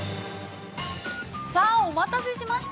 ◆さあ、お待たせしました。